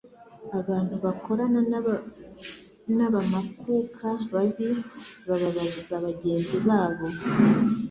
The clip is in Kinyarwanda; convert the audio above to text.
abantu bakorana n'abamakuka babi bababaza bagenzi babo